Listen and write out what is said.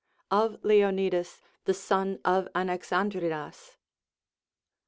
Of Leonidas the Son of Anaxandridas.